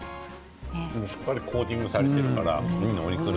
しっかりコーティングされているから。